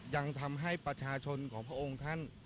ยังทำให้ประชาชนของพระองค์ท่าน